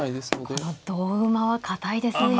この同馬は堅いですね。